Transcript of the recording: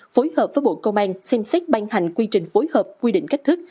phối hợp với bộ công an xem xét ban hành quy trình phối hợp quy định cách thức